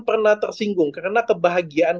pernah tersinggung karena kebahagiaan